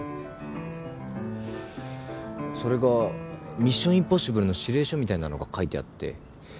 それが『ミッション：インポッシブル』の指令書みたいなのが書いてあって。